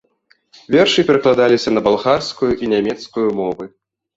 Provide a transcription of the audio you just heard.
Вершы перакладаліся на балгарскую і нямецкую мовы.